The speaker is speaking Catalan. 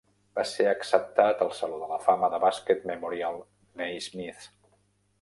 Va ser acceptat al Saló de la fama de bàsquet Memorial Naismith.